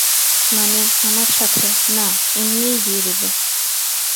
মানে, আমার সাথে - না, এমনিই দিয়ে দেবো।